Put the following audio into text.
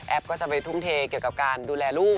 ก็จะไปทุ่มเทเกี่ยวกับการดูแลลูก